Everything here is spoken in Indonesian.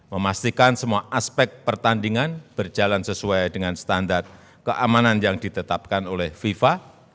memastikan semua aspek pertandingan berjalan sesuai dengan standar keamanan yang ditetapkan oleh fifa